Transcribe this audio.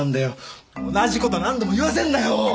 同じ事何度も言わせるなよ！